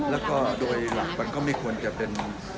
แล้วก็โดยหลักมันก็ไม่ควรจะเป็น